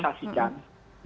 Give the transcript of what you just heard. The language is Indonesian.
mereka ingin dinegosiasikan